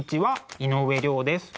井上涼です。